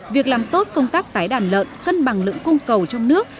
việc làm tốt công tác tái đàn lợn cân bằng lượng cung cầu trong nước